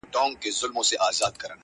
ورته ښېراوي هر ماښام كومه؛